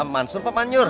mansur pak panjur